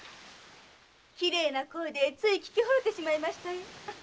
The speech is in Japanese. きれいな声でつい聴きほれてしまいましたよ。